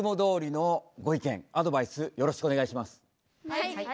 はい。